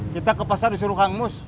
kita ke pasar disuruh kang mus